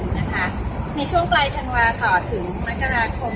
ในช่วงใต้ธรากมต่อถึงมากการาคม